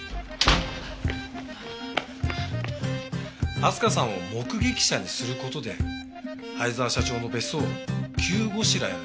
明日香さんを目撃者にする事で逢沢社長の別荘を急ごしらえの密室に作り上げた。